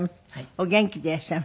お元気でいらっしゃる？